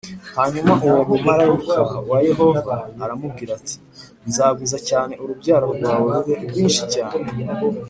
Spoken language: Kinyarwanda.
Hanyuma uwo mumarayika wa Yehova aramubwira ati nzagwiza cyane urubyaro rwawe rube rwinshi cyane.